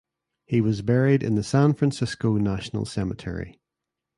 He was buried in the San Francisco National Cemetery.